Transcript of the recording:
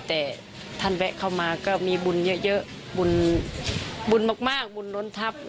แต่ท่านแวะเข้ามาก็มีบุญเยอะบุญบุญมากบุญล้นทัพ